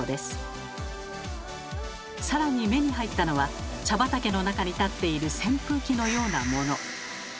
更に目に入ったのは茶畑の中に立っている扇風機のようなもの。